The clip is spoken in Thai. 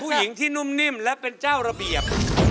ผู้หญิงที่นุ่มนิ่มและเป็นเจ้าระเบียบ